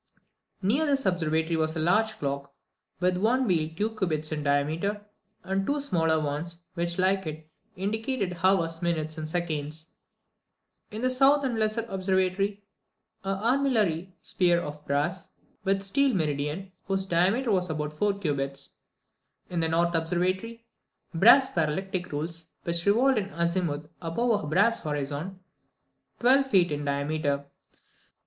Near this observatory was a large clock, with one wheel two cubits in diameter, and two smaller ones, which, like it, indicated hours, minutes, and seconds. In the south and lesser Observatory. 8. An armillary sphere of brass, with a steel meridian, whose diameter was about 4 cubits. In the north Observatory. 9. Brass parallactic rules, which revolved in azimuth above a brass horizon, twelve feet in diameter.